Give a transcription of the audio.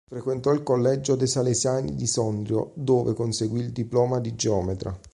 Frequentò il collegio dei Salesiani di Sondrio, dove conseguì il diploma di geometra.